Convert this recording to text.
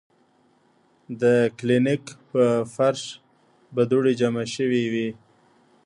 د کلینک پۀ فرش به دوړې جمع شوې وې ـ